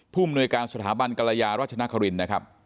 มนวยการสถาบันกรยาราชนครินนะครับ